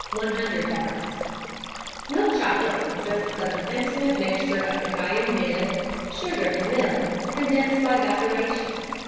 Flavouring 1/4 100 Milk chocolate consists of an intimate mixture of cacao nib, sugar and milk, condensed by evaporation.